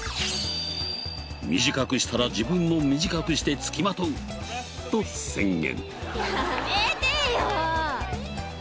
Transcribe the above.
短くしたら自分も短くしてつきまとうと宣言。